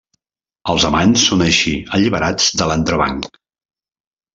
Els amants són així alliberats de l'entrebanc.